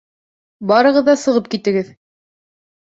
Барығыҙ ҙа сығып китегеҙ.